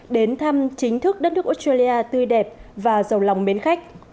đến thăm chính thức đất nước australia tươi đẹp và giàu lòng mến khách